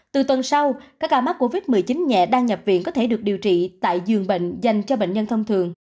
từ tuần sau các ca mắc covid một mươi chín nhẹ đang nhập viện có thể được điều trị tại giường bệnh dành cho bệnh nhân thông thường